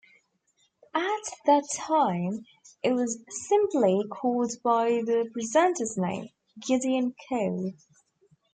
At that time, it was simply called by the presenter's name, "Gideon Coe".